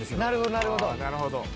「なるほどなるほど」